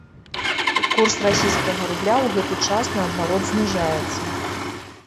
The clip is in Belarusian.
Курс расійскага рубля ў гэты час наадварот зніжаецца.